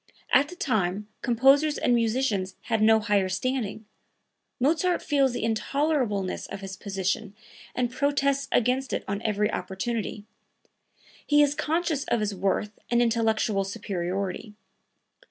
At the time composers and musicians had no higher standing. Mozart feels the intolerableness of his position and protests against it on every opportunity; he is conscious of his worth and intellectual superiority.